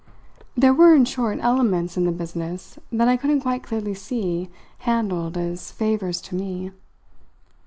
There were in short elements in the business that I couldn't quite clearly see handled as favours to me.